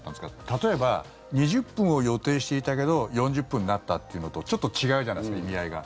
例えば２０分を予定していたけど４０分になったというのとちょっと違うじゃないですか意味合いが。